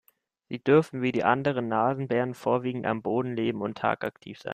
Sie dürften wie die anderen Nasenbären vorwiegend am Boden leben und tagaktiv sein.